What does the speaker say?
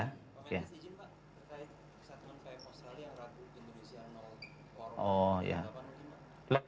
pak saya ingin terkait satu yang saya postrali yang ragu indonesia warung